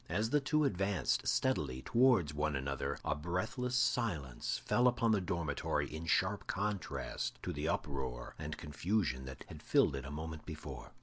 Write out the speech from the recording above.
As the two advanced steadily towards one another a breathless silence fell upon the dormitory in sharp contrast to the uproar and confusion that had filled it a moment before.